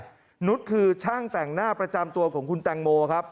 นุษย์เป็นใครนุษย์คือช่างแต่งหน้าประจำตัวคุณแต่งโมครับ